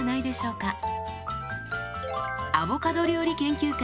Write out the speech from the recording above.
アボカド料理研究家